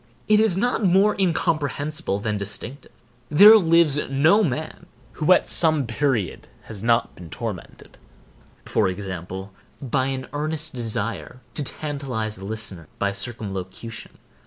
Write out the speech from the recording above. It is not more incomprehensible than distinctive. There lives no man who at some period has not been tormented, for example, by an earnest desire to tantalize a listener by circumlocution.